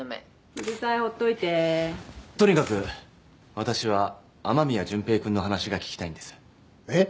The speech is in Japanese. うるさいほっといてとにかく私は雨宮純平君の話が聞きたいんですえっ？